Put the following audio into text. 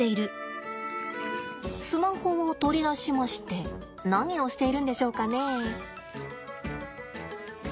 スマホを取り出しまして何をしているんでしょうかねえ。